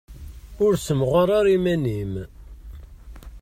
Ur ssemɣar ara iman-im.